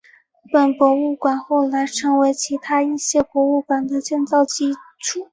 本博物馆后来成为其他一些博物馆的建馆基础。